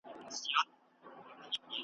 خوب ته دي راغلی یم شېبه یمه هېرېږمه ,